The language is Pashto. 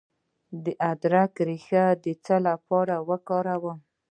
د ادرک ریښه د څه لپاره وکاروم؟